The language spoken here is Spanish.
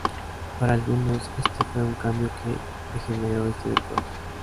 Para algunos este fue un cambio que degeneró este deporte.